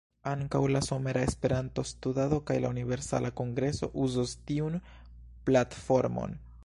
Ankaŭ la Somera Esperanto-Studado kaj la Universala Kongreso uzos tiun platformon.